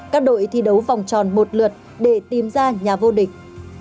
các đội thi đấu vòng tròn một lượt để tìm ra nhà vô địch